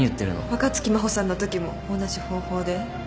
若槻真帆さんのときも同じ方法で？